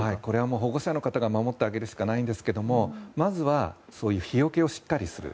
保護者の方が守ってあげるしかないんですがまずは日よけをしっかりする。